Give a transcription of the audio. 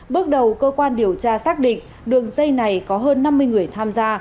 bước đầu cơ quan điều tra xác định đường dây này có hơn năm mươi người tham gia